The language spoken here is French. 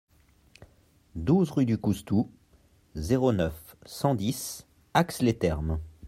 douze rue du Coustou, zéro neuf, cent dix, Ax-les-Thermes